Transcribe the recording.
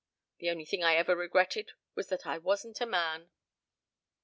The only thing I ever regretted was that I wasn't a man."